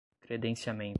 credenciamento